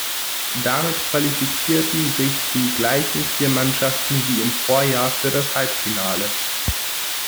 Damit qualifizierten sich die gleichen vier Mannschaften wie im Vorjahr für das Halbfinale.